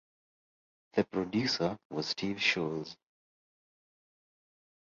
The producer was Steve Sholes.